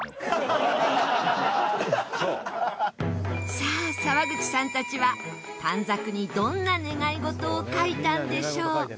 さあ沢口さんたちは短冊にどんな願い事を書いたんでしょう？